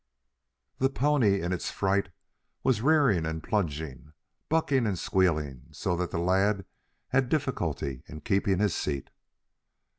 The pony in its fright was rearing and plunging, bucking and squealing so that the lad had difficulty in keeping his seat.